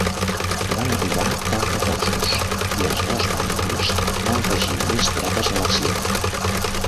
Van arribar els reforços i els dons bàndols van afegir més tropes a l"acció.